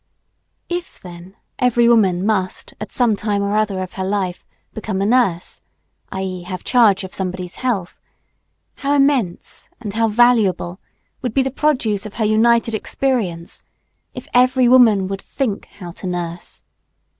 If, then, every woman must at some time or other of her life, become a nurse, i.e., have charge of somebody's health, how immense and how valuable would be the produce of her united experience if every woman would think how to nurse.